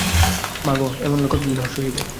মা গো, এমন আর কতদিন সহিবে।